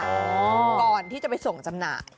ก่อนที่จะไปส่งจำหน่าย